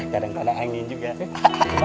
kadang kadang angin juga